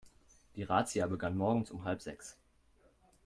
Die Razzia begann morgens um halb sechs.